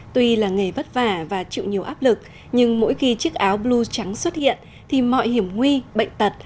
tuy là nghề vất vả và chịu nhiều áp lực nhưng mỗi khi chiếc áo blue trắng xuất hiện thì mọi hiểm nguy bệnh tật